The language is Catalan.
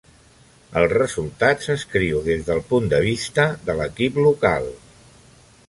El resultat s'escriu des del punt de vista de l'equip local.